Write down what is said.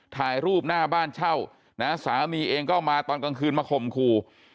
ถ่ายรูปหน้าบ้านเช่านะสามีเองก็มาตอนกลางคืนมาข่มขู่